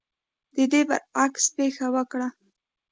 د دې برعکس پېښه وکړه.